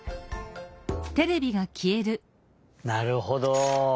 なるほど。